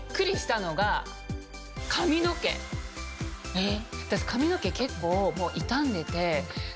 えっ？